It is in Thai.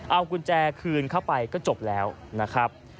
เอากุญแจคืนเข้าไปก็จบแล้วนะครับ